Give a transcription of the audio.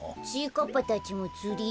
かっぱたちもつり？